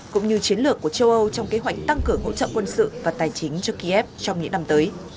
cũng như chiến lược của châu âu trong kế hoạch tăng cường hỗ trợ quân sự và tài chính cho kiev trong những năm tới